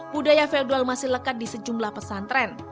budaya feldual masih lekat di sejumlah pesantren